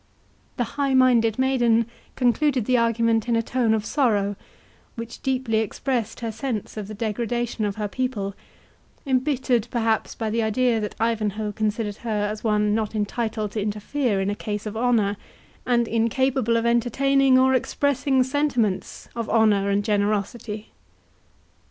The high minded maiden concluded the argument in a tone of sorrow, which deeply expressed her sense of the degradation of her people, embittered perhaps by the idea that Ivanhoe considered her as one not entitled to interfere in a case of honour, and incapable of entertaining or expressing sentiments of honour and generosity.